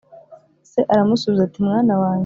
se aramusubiza ati mwana wanjye,